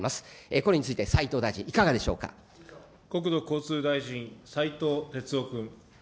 これについて、斉藤大臣、いかが国土交通大臣、斉藤鉄夫君。